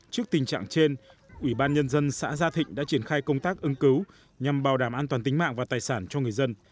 trước tình trạng trên ủy ban nhân dân xã gia thịnh đã triển khai công tác ứng cứu nhằm bảo đảm an toàn tính mạng và tài sản cho người dân